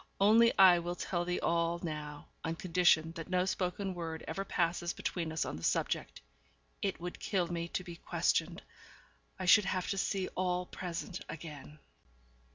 Only I will tell thee all now, on condition that no spoken word ever passes between us on the subject. It would kill me to be questioned. I should have to see all present again.